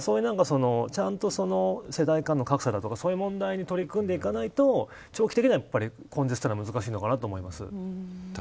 だから、ちゃんと世代間の格差だとかそういう問題に取り組んでいかないと長期的には根絶は難しいのかなと思います。